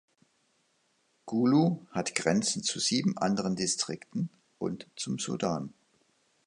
Gulu hat Grenzen zu sieben anderen Distrikten und zum Sudan.